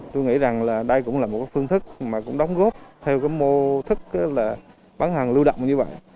tôi nghĩ rằng là đây cũng là một phương thức mà cũng đóng góp theo cái mô thức là bán hàng lưu động như vậy